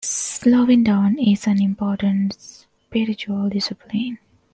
Slowing Down is an important spiritual discipline.